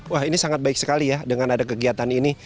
wah ini sangat baik sekali ya dengan ada kegiatan ini